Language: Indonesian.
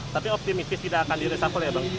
tapi optimis tidak akan direshuffle ya bang